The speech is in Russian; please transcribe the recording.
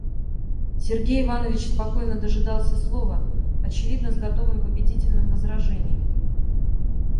Сергей Иванович спокойно дожидался слова, очевидно с готовым победительным возражением.